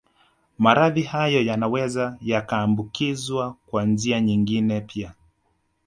Maradhi hayo yanaweza yakaambukizwa kwa njia nyingine pia